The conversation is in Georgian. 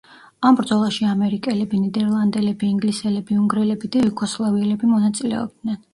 ამ ბრძოლაში ამერიკელები, ნიდერლანდელები, ინგლისელები, უნგრელები და იუგოსლავიელები მონაწილეობდნენ.